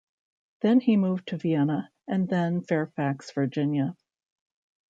Then he moved to Vienna and then Fairfax, Virginia.